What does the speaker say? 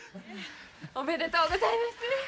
おめでとうございます。